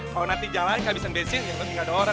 kalau nanti jalan kehabisan bensin ya kan tinggal orang